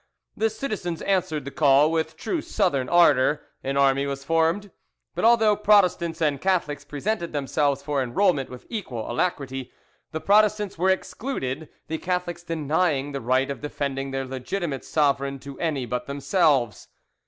The citizens answered the call with true Southern ardour: an army was formed; but although Protestants and Catholics presented themselves for enrolment with equal alacrity, the Protestants were excluded, the Catholics denying the right of defending their legitimate sovereign to any but themselves.